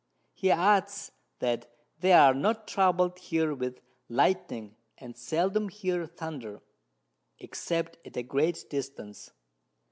He adds, that they are not troubled here with Lightning, and seldom hear Thunder, except at a great distance.